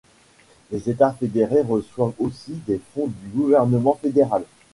Les États fédérés reçoivent aussi des fonds du gouvernement fédéral.